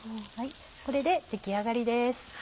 これで出来上がりです。